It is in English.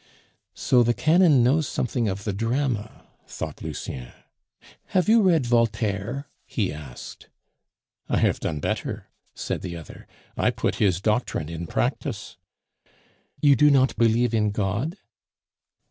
"So the canon knows something of the drama," thought Lucien. "Have you read Voltaire?" he asked. "I have done better," said the other; "I put his doctrine in practice." "You do not believe in God?"